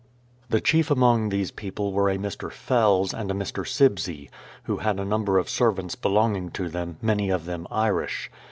The chief among these people were a Mr. Fells and a Mr. Sibsie, who had a number of servants belonging to them, many of them Irish.